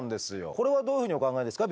これはどういうふうにお考えですか？